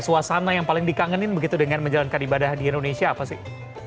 suasana yang paling dikangenin begitu dengan menjalankan ibadah di indonesia apa sih